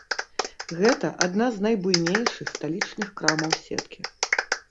Гэта адна з найбуйнейшых сталічных крамаў сеткі.